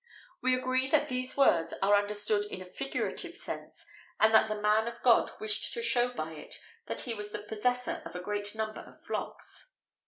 [XVIII 23] We agree that these words are understood in a figurative sense, and that the man of God wished to show by it that he was the possessor of a great number of flocks.